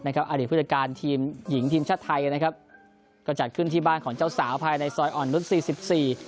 อดีตผู้จัดการทีมหญิงทีมชาติไทยนะครับก็จัดขึ้นที่บ้านของเจ้าสาวภายในซอยอ่อนนุษย์สี่สิบสี่